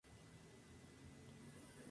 Es hermano del futbolista Achille Emana.